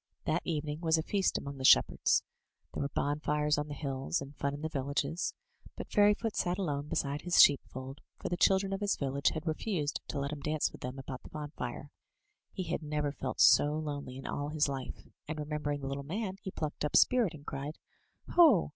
That evening was a feast among the shep herds. There were bonfires on the hills, and fun in the villages. But Fairyfoot sat alone beside his sheepfold, for the children of his village had refused to let him dance with them about the bonfire. He had never felt so lonely in all his life, and remember ing the little man, he plucked up spirit, and cried: "Ho!